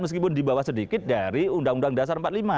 meskipun di bawah sedikit dari undang undang dasar empat puluh lima